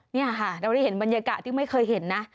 นี่ค่ะเราได้เห็นบรรยากาศที่ไม่เคยเห็นนะ